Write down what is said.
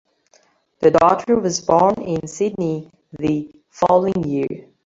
Their daughter was born in Sydney the following year.